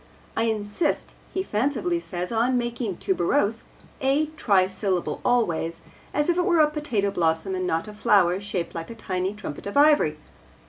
I insist, he fancifully says, 'on making "tuberose" a trisyllable always, as if it were a potato blossom and not a flower shaped like a tiny trumpet of ivory.'